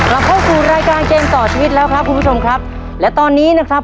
เราเข้าสู่รายการเกมต่อชีวิตแล้วครับคุณผู้ชมครับและตอนนี้นะครับ